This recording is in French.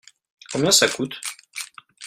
Combien ça coûte ?